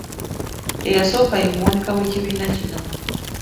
Eyasooka ye muwanika w'ekibiina kino.